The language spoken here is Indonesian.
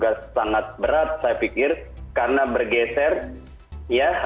memiliki tugas sangat berat saya pikir karena bergeser ya